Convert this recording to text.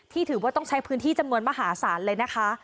ถือว่าต้องใช้พื้นที่จำนวนมหาศาลเลยนะคะ